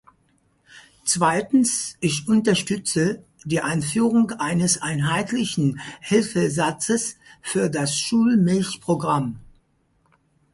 Zweitens, ich unterstütze die Einführung eines einheitlichen Hilfesatzes für das Schulmilchprogramm.